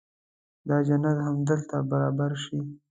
دا جنت همدلته برابر شي.